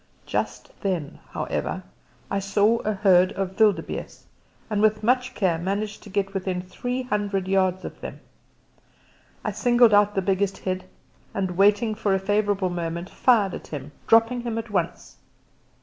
Just then, however, I saw a herd of wildebeeste, and with much care managed to get within three hundred yards of them. I singled out the biggest head and waiting for a favourable moment, fired at him, dropping him at once.